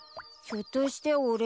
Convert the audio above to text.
ひょっとしてお礼？